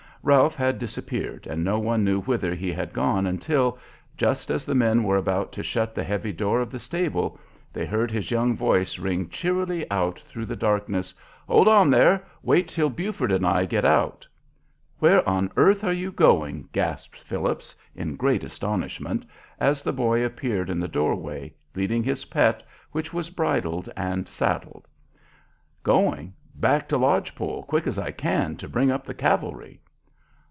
Ralph had disappeared, and no one knew whither he had gone until, just as the men were about to shut the heavy door of the stable, they heard his young voice ring cheerily out through the darkness, "Hold on there! Wait till Buford and I get out!" "Where on earth are you going?" gasped Phillips, in great astonishment, as the boy appeared in the door way, leading his pet, which was bridled and saddled. "Going? Back to Lodge Pole, quick as I can, to bring up the cavalry."